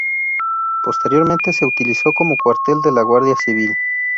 Posteriormente se utilizó como Cuartel de la Guardia Civil.